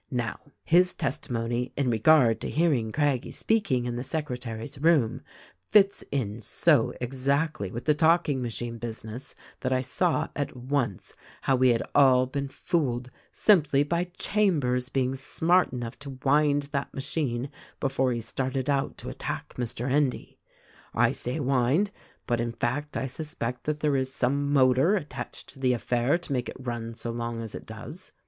"Now, his testimony in regard to hearing Craggie speak ing in the secretary's room fits in so exactly with the talk ing machine business that I saw at once how we had all been fooled, simply by Chambers being smart enough to wind that machine before he started out to attack Mr. Endy. I say wind, but in fact I suspect that there is some motor attached to the affair to make it run so long as it does.